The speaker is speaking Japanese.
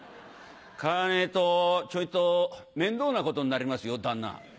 「買わねえとちょいと面倒なことになりますよ旦那」。